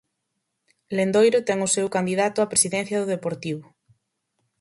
Lendoiro ten o seu candidato á presidencia do Deportivo.